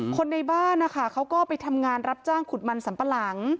คนในบ้านนะคะเขาก็ไปทำงานรับจ้างขุดมันสัมปะหลัง